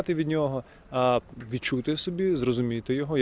tapi untuk merasakan diri sendiri memahami dirinya